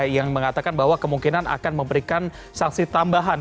yang mengatakan bahwa kemungkinan akan memberikan sanksi tambahan